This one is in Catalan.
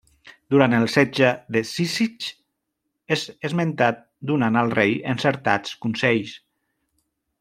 Durant el setge de Cízic és esmentat donant al rei encertats consells.